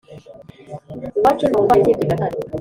iwacu ntawurwaye usibye gatare